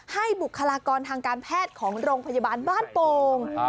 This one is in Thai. บุคลากรทางการแพทย์ของโรงพยาบาลบ้านโป่ง